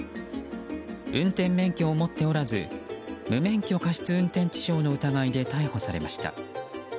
運転免許を持っておらず無免許過失運転致傷の疑いで逮捕されました。